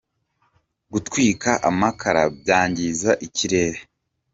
gutwika amakara byangiza icyirere